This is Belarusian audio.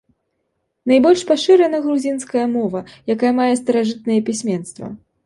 Найбольш пашырана грузінская мова, якая мае старажытнае пісьменства.